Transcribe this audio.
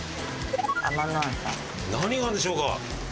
何があるんでしょうか？